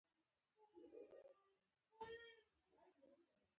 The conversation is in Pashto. وخت وایي چې ما تعقیب کړه نور هر څه هېر کړه.